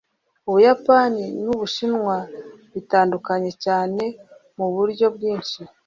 ubuyapani n'ubushinwa bitandukanye cyane muburyo bwinshi